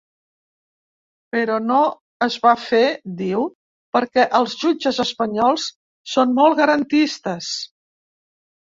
Però no es va fer –diu– perquè els jutges espanyols són molt ‘garantistes’.